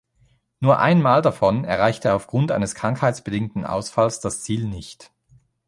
Nur ein Mal davon erreichte er aufgrund eines krankheitsbedingten Ausfalls das Ziel nicht.